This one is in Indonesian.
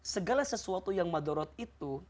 segala sesuatu yang madorot itu